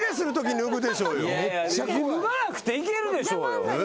脱がなくていけるでしょうよ。